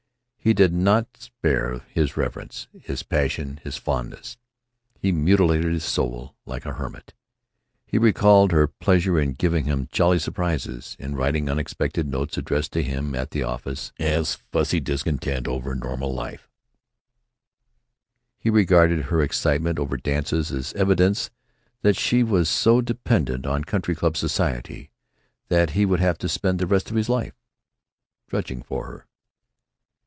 He did not spare his reverence, his passion, his fondness. He mutilated his soul like a hermit. He recalled her pleasure in giving him jolly surprises, in writing unexpected notes addressed to him at the office, as fussy discontent with a quiet, normal life; he regarded her excitement over dances as evidence that she was so dependent on country club society that he would have to spend the rest of his life drudging for her.